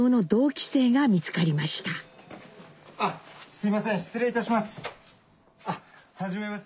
すいません失礼いたします。